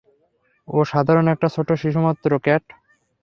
ও সাধারন একটা ছোট্ট শিশুমাত্র, ক্যাট।